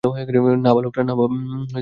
না, ভালুকটা।